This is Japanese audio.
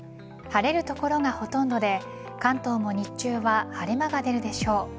晴れる所がほとんどで関東も日中は晴れ間が出るでしょう。